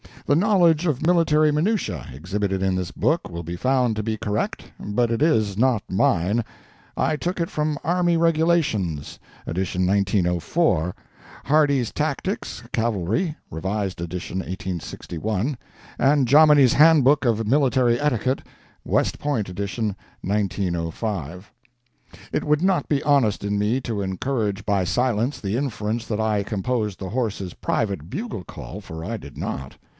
The knowledge of military minutiæ exhibited in this book will be found to be correct, but it is not mine; I took it from Army Regulations, ed. 1904; Hardy's Tactics—Cavalry, revised ed., 1861; and Jomini's Handbook of Military Etiquette, West Point ed., 1905. It would not be honest in me to encourage by silence the inference that I composed the Horse's private bugle call, for I did not.